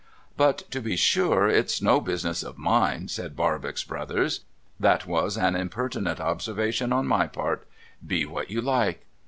' But, to be sure, it's no business of mine,' said Barbox Brothers. ' That was an impertinent observation on my part. Be what you like.'